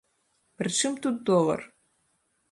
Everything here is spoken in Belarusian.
Пры чым тут долар?